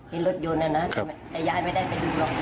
เห็นรถยนต์นั่นนะครับแต่ยายไม่ได้ไปดูหรอก